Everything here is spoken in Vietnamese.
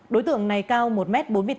đối tượng này cao một m bốn mươi tám